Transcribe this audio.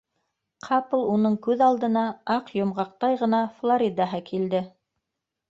Ҡапыл уның күҙ алдына аҡ йомғаҡтай ғына Флоридаһы килде.